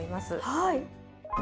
はい！